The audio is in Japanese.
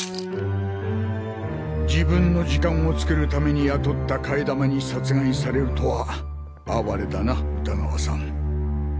自分の時間をつくるために雇った替え玉に殺害されるとは哀れだな歌川さん。